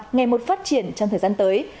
ngày một phát triển trong thời gian tới